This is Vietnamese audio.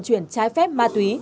trái phép ma túy